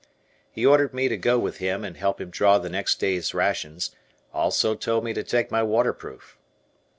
He ordered me to go with him and help him draw the next day's rations, also told me to take my waterproof.